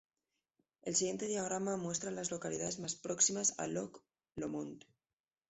El siguiente diagrama muestra a las localidades más próximas a Loch Lomond.